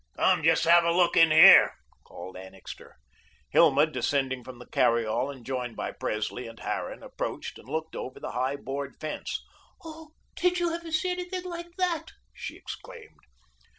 "Come, just have a lock in here," called Annixter. Hilma, descending from the carry all and joined by Presley and Harran, approached and looked over the high board fence. "Oh, did you ever see anything like that?" she exclaimed.